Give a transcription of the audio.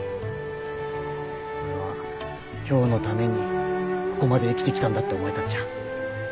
俺は今日のためにここまで生きてきたんだって思えたっちゃ。